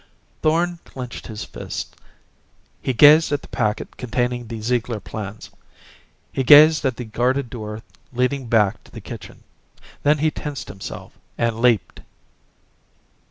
Thorn clenched his fists. He gazed at the packet containing the Ziegler plans. He gazed at the guarded door leading back to the kitchen. Then he tensed himself and leaped.